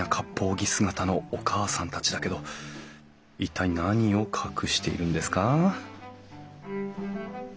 着姿のおかあさんたちだけど一体何を隠しているんですか？